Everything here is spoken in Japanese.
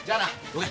どけ！